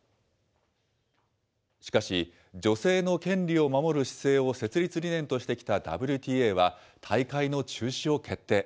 しかし、女性の権利を守る姿勢を設立理念としてきたＷＴＡは、大会の中止を決定。